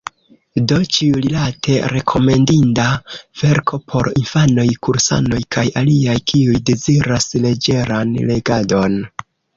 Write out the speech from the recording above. Do ĉiurilate rekomendinda verko por infanoj, kursanoj, kaj aliaj, kiuj deziras leĝeran legadon.